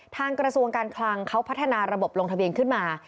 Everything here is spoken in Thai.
กระทรวงการคลังเขาพัฒนาระบบลงทะเบียนขึ้นมา